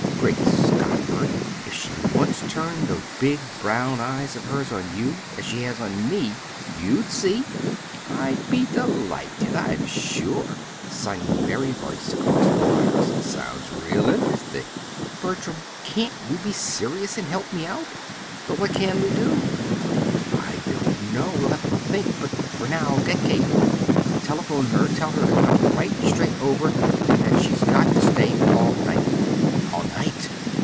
Great Scott! Bert, if she'd once turned those big brown eyes of hers on you as she has on me, you'd see!" "I'd be delighted, I'm sure," sung a merry voice across the wires. "Sounds real interesting!" "Bertram, can't you be serious and help me out?" "But what CAN we do?" "I don't know. We'll have to think; but for now, get Kate. Telephone her. Tell her to come right straight over, and that she's got to stay all night." "All night!"